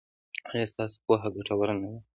ایا ستاسو پوهه ګټوره نه ده؟